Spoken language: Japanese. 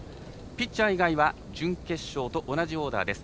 ピッチャー以外は準決勝と同じオーダーです。